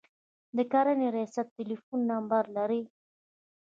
د کرنې ریاست ټلیفون نمبر لرئ؟